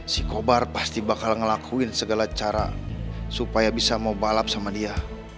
si kobar pasti bakal ngelakuin segala cara supaya bisa mau balap sama dia